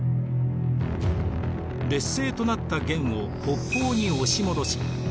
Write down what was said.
劣勢となった元を北方に押し戻し